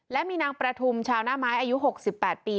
และมีนางประทุมชาวหน้าไม้อายุ๖๘ปี